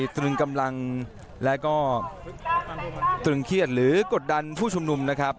ตรึงกำลังและก็ตรึงเครียดหรือกดดันผู้ชุมนุมนะครับ